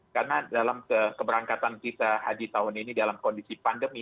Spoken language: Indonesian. karena dalam keberangkatan kita haji tahun ini dalam kondisi pandemi